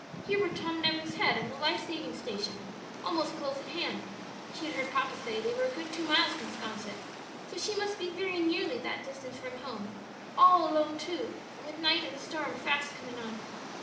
Here were Tom Never's Head and the life saving station almost close at hand; she had heard papa say they were a good two miles from 'Sconset, so she must be very nearly that distance from home, all alone too, and with night and a storm fast coming on.